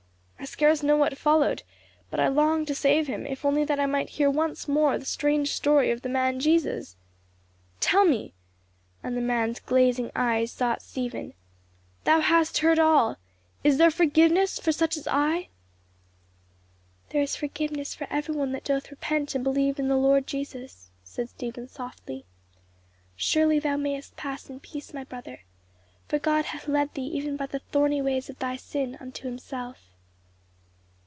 I scarce know what followed; but I longed to save him, if only that I might hear once more the strange story of the man Jesus. Tell me" and the man's glazing eyes sought Stephen "thou hast heard all is there forgiveness for such as I?" "There is forgiveness for every one that doth repent and believe in the Lord Jesus," said Stephen softly. "Surely thou mayest pass in peace, my brother; for God hath led thee even by the thorny ways of thy sin unto himself."